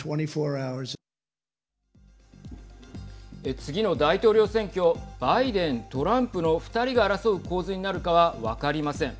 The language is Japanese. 次の大統領選挙バイデン・トランプの２人が争う構図になるかは分かりません。